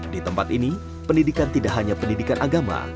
di tempat ini pendidikan tidak hanya pendidikan agama